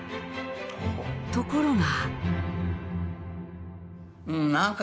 ところが。